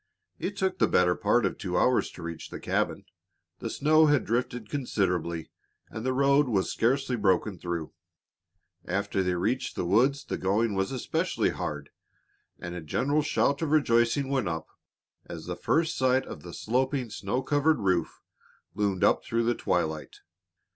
It took the better part of two hours to reach the cabin. The snow had drifted considerably, and the road was scarcely broken through. After they reached the woods the going was especially hard, and a general shout of rejoicing went up as the first sight of the sloping, snow covered roof loomed up through the twilight.